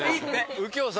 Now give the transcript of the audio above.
右京さん！